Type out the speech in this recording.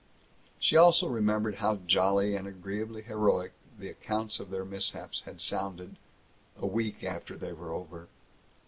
She also remembered how jolly and agreeably heroic the accounts of their mishaps had sounded a week after they were over.